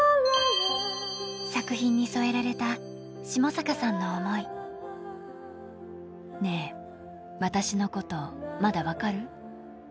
作品に添えられた下坂さんのねぇ、私のこと、まだ分かる？